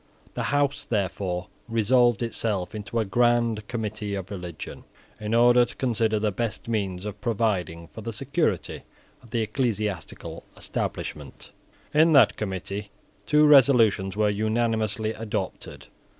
The House, therefore, resolved itself into a Grand Committee of Religion, in order to consider the best means of providing for the security of the ecclesiastical establishment. In that Committee two resolutions were unanimously adopted.